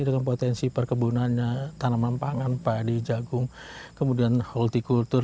dengan potensi perkebunannya tanaman pangan padi jagung kemudian horticultur